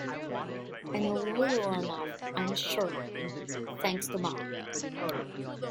I know little enough, I am sure, thanks to Ma!